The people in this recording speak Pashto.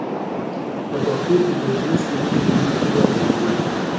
په پښتو کې د جنس له مخې نومونه په دوه ډوله دي.